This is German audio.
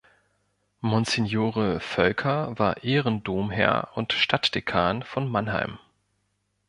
Monsignore Völker war Ehrendomherr und Stadtdekan von Mannheim.